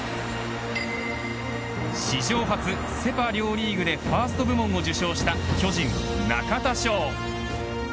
史上初セ、パ両リーグでファースト部門を受賞した巨人、中田翔。